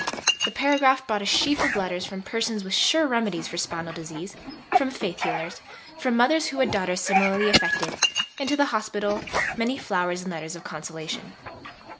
The paragraph brought a sheaf of letters from persons with "sure remedies" for spinal disease, from faith healers, from mothers who had daughters similarly affected; and to the Hospital, many flowers and letters of consolation.